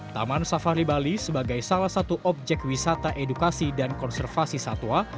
taman safari bali sebagai salah satu objek wisata edukasi dan konservasi satwa